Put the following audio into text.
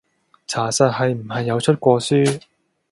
查實係唔係有出過書？